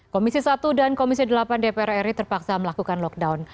komisi satu dan komisi delapan dpr ri terpaksa melakukan lockdown